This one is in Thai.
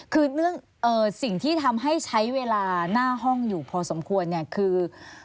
คือเรื่องสิ่งที่ทำให้ใช้เวลาหน้าห้องอยู่พอสมควรเนี่ยคือ